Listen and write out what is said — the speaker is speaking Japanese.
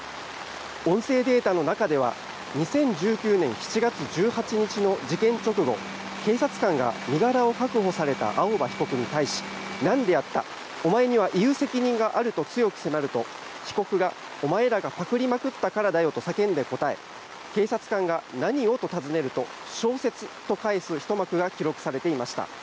音声データの中では２０１９年７月１８日の事件直後警察官が身柄を確保された青葉被告に対しなんでやったお前には言う責任があると強く迫ると被告が、お前らがパクりまくったからだよと叫んで答え警察官が何を？と尋ねると小説と返すひと幕が記録されていました。